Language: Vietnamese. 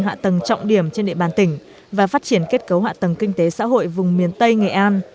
hạ tầng trọng điểm trên địa bàn tỉnh và phát triển kết cấu hạ tầng kinh tế xã hội vùng miền tây nghệ an